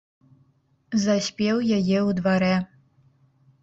Заспеў яе ў дварэ.